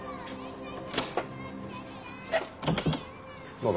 どうぞ。